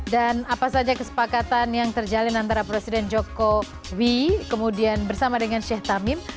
dan apa saja kesepakatan yang terjalin antara presiden joko wi kemudian bersama dengan syekh tamim